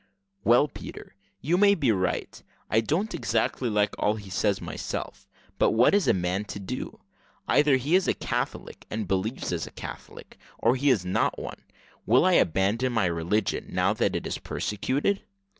"Well, Peter, you maybe right; I don't exactly like all he says myself; but what is a man to do? either he is a Catholic, and believes as a Catholic, or he is not one. Will I abandon my religion, now that it is persecuted?